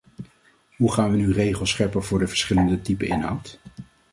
Hoe gaan we nu regels scheppen voor de verschillende typen inhoud?